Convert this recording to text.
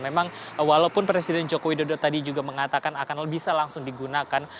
memang walaupun presiden joko widodo tadi juga mengatakan akan bisa langsung digunakan